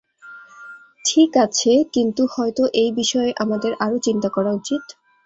ঠিক আছে, কিন্তু হয়তো এই বিষয়ে আমাদের আরো চিন্তা করা উচিত।